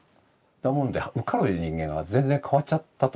なもんで受かる人間は全然変わっちゃったと思うんですね。